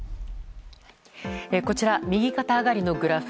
こちら、右肩上がりのグラフ。